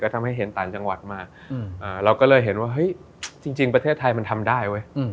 ทำให้เห็นต่างจังหวัดมาเราก็เลยเห็นว่าเฮ้ยจริงประเทศไทยมันทำได้เว้ย